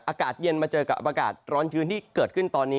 อากาศเย็นมาเจอกับอากาศร้อนชื้นที่เกิดขึ้นตอนนี้